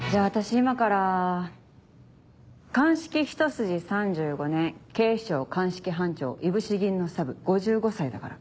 今から鑑識ひと筋３５年警視庁鑑識班長いぶし銀のサブ５５歳だから。